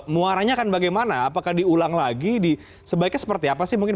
muaranya akan bagaimana apakah diulang lagi di sebaiknya seperti apa sih mungkin